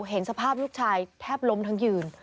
เห็นสภาพลูกชายแทบล้มทั้งยืน